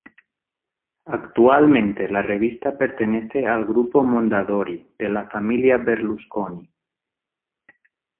Actualmente la revista pertenece al grupo Mondadori de la familia Berlusconi.